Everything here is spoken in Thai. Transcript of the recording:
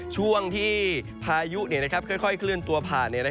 ช่วงที่พายุค่อยเคลื่อนตัวผ่าน